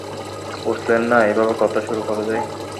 বুঝলেন না, এইভাবে কথা শুরু করা যায়।